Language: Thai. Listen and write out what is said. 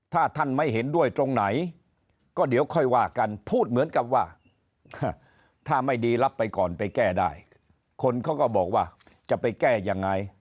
ถ้าท่านไม่เห็นด้วยตรงไหนก็เดี๋ยวค่อยว่ากันพูดเหมือนกับว่าถ้าไม่ดีรับไปก่อนไปแก้ได้คนเขาก็บอกว่าจะไปแก้ยังไง